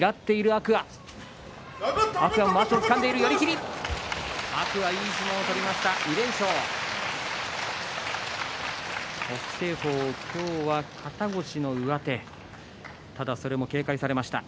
天空海、いい相撲を取りました。